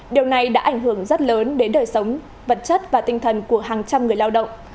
điều này đã ảnh hưởng rất lớn đến đời sống vật chất và tinh thần của hàng trăm người lao động